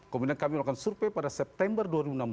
kemudian kami melakukan survei pada september dua ribu enam belas